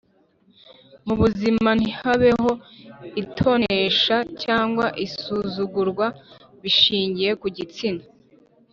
mu buzima ntihabeho itonesha cyangwa isuzugurwa bishingiye ku gitsina.